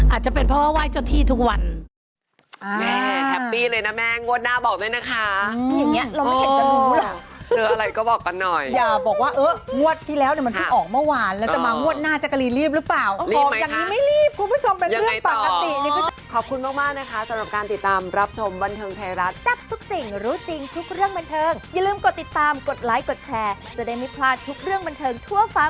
อาจจะเป็นเพราะว่าไหว้เจ้าที่ทุกวัน